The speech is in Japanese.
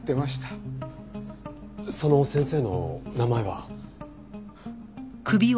その先生の名前は？